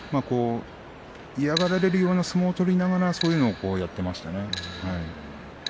嫌がられるような相撲を取りながらそういうのをやっていましたね。